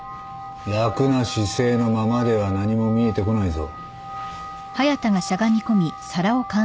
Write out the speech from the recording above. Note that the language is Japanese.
楽な姿勢のままでは何も見えてこないぞ。